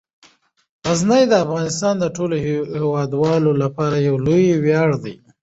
غزني د افغانستان د ټولو هیوادوالو لپاره یو لوی ویاړ دی.